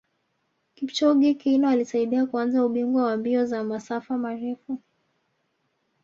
Kipchoge Keino alisaidia kuanza ubingwa wa mbio za masafa marefu